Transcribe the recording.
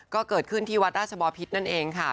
ก็เกิดขึ้นที่วัดราชบอพิษนั่นเองค่ะ